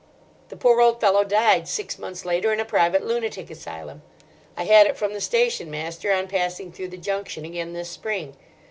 The poor old fellow died six months later in a private lunatic asylum; I had it from the station master on passing through the junction again this spring.